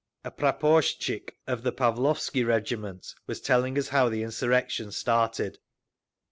A praporshtchik of the Pavlovsky regiment was telling us how the insurrection started.